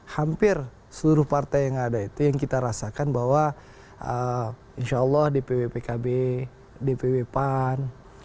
hampir seluruh partai yang ada itu yang kita rasakan bahwa insya allah dpw pkb dpw pan